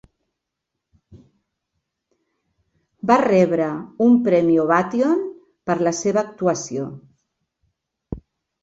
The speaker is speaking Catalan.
Va rebre un premi Ovation per la seva actuació.